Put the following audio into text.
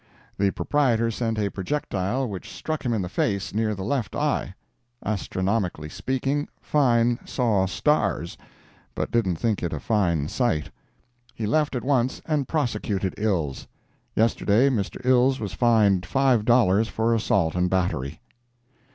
The proprietor sent a projectile which struck him in the face, near the left eye. Astronomically speaking, Fine saw stars, but didn't think it a fine sight. He left at once and prosecuted Ills. Yesterday Mr. Ills was fined five dollars for assault and battery.